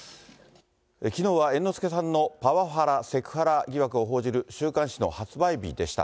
きのうは猿之助さんのパワハラ、セクハラ疑惑を報じる週刊誌の発売日でした。